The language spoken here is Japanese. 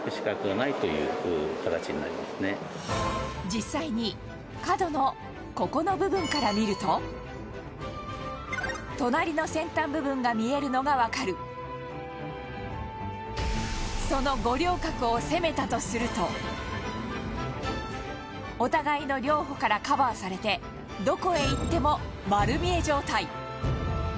実際に角の、ここの部分から見ると隣の先端部分が見えるのがわかるその五稜郭を攻めたとするとお互いの稜堡からカバーされてどこへ行っても丸見え状態